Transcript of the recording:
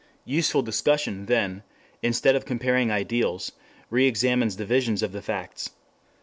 Useful discussion, then, instead of comparing ideals, reexamines the visions of the facts.